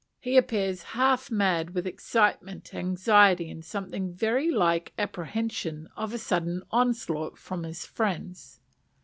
He appears half mad with excitement, anxiety, and something very like apprehension of a sudden onslaught from his friends.